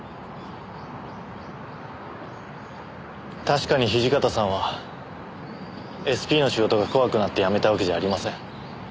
確かに土方さんはＳＰの仕事が怖くなって辞めたわけじゃありません。